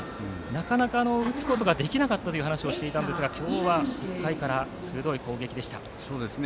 なかなか打つことができなかったと話していましたが今日は１回から鋭い攻撃でした。